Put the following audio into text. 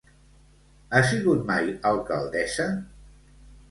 Ha sigut mai alcaldessa?